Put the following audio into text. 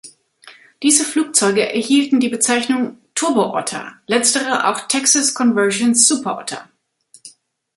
Diese Flugzeuge erhielten die Bezeichnung "Turbo-Otter", letztere auch "Texas Conversions Super Otter".